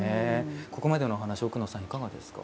ここまでのお話奥野さん、いかがですか。